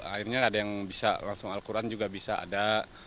akhirnya ada yang bisa langsung al quran juga bisa ada